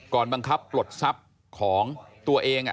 บังคับปลดทรัพย์ของตัวเอง